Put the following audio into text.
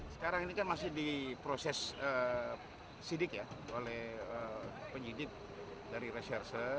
sekarang ini kan masih di proses sidik ya oleh penyidik dari reserse